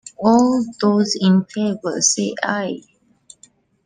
All those in favour, say Aye.